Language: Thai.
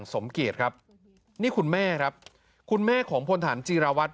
สมเกียจครับนี่คุณแม่ครับคุณแม่ของพลฐานจีราวัตร